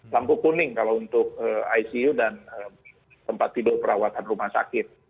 lampu kuning kalau untuk icu dan tempat tidur perawatan rumah sakit